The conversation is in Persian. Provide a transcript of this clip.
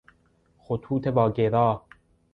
خطوط واگرا